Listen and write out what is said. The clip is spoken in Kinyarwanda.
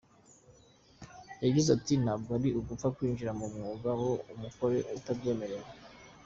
Yagize ati “Ntabwo ari ugupfa kwinjira mu mwuga ngo uwukore utabyemerewe.